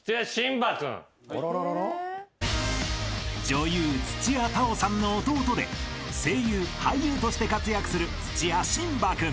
［女優土屋太鳳さんの弟で声優俳優として活躍する土屋神葉君］